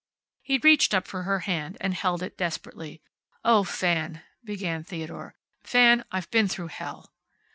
He reached up for her hand and held it, desperately. "Oh, Fan!" began Theodore, "Fan, I've been through hell."